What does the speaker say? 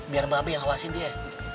biar babi awasin dia